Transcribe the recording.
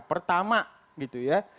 pertama gitu ya